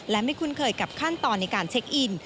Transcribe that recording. และไม่คุ้นเคยกับขั้นตอนในการเช็คอิน